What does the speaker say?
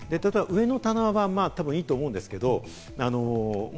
上の棚はいいと思うんですけれども。